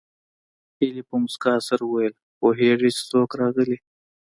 هيلې په مسکا سره وویل پوهېږې چې څوک راغلي